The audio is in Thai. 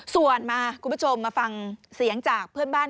ส่วนมาคุณผู้ชมมาฟังเสียงจากเพื่อนบ้าน